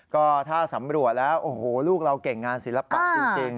ก็ถ้าสำรวจแล้วโอ้โหลูกเราเก่งงานศิลปะจริง